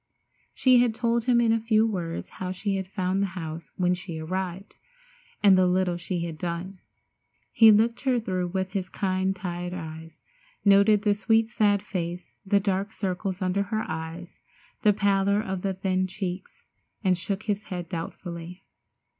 She had told him in a few words how she had found the house when she arrived, and the little she had done. He looked her through with his kind tired eyes, noted the sweet, sad face, the dark circles under her eyes, the pallor of the thin cheeks, and shook his head doubtfully.